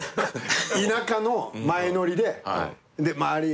田舎の前乗りで周り